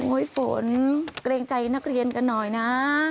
ฝนเกรงใจนักเรียนกันหน่อยนะ